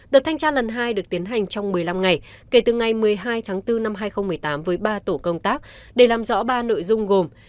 đợt thanh tra lần hai được tiến hành trong một mươi năm ngày kể từ ngày một mươi hai tháng bốn năm hai nghìn một mươi tám với ba tổ công tác để làm rõ ba nội dung gồm